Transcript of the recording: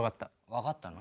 わかったの？